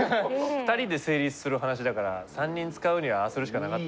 ２人で成立する話だから３人使うにはああするしかなかった。